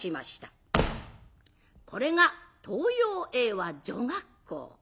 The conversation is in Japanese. これが東洋英和女学校。